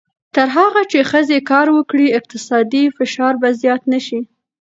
تر هغه چې ښځې کار وکړي، اقتصادي فشار به زیات نه شي.